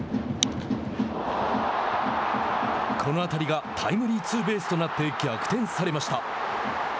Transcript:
この当たりがタイムリーツーベースとなって逆転されました。